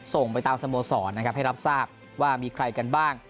ส่งไปตามสโมสรนะครับให้รับทราบว่ามีใครกันบ้าง